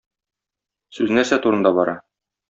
Сүз нәрсә турында бара?